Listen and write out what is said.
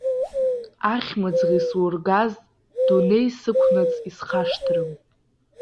Ахьымӡӷ исургаз дунеи сықәнаҵ исхашҭрым!